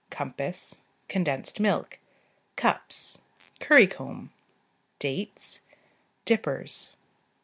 Compass. Condensed milk. Cups. Currycomb. Dates. Dippers.